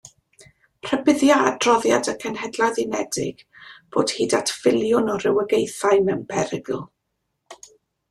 Rhybuddia adroddiad y Cenhedloedd Unedig bod hyd at filiwn o rywogaethau mewn perygl.